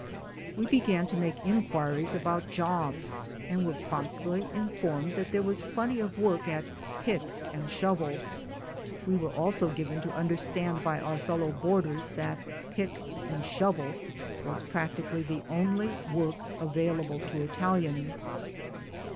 We began to make inquiries about jobs and were promptly informed that there was plenty of work at "pick and shovel." We were also given to under stand by our fellow boarders that "pick and shovel" was practically the only work available to Italians.